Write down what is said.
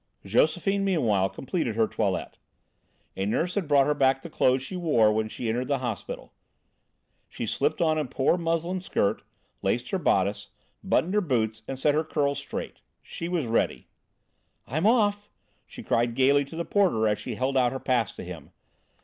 Josephine meanwhile completed her toilet. A nurse had brought her back the clothes she wore when she entered the hospital. She slipped on a poor muslin skirt, laced her bodice, buttoned her boots and set her curls straight; she was ready. "I'm off," she cried gaily to the porter as she held out her pass to him.